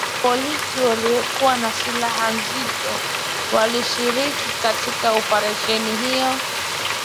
ya polisi waliokuwa na silaha nzito walishiriki katika operesheni hiyo